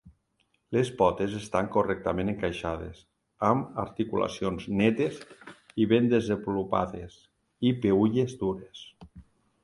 Les potes estan correctament encaixades, amb articulacions netes i ben desenvolupades i peülles dures.